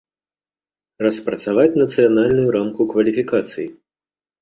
Распрацаваць нацыянальную рамку кваліфікацый.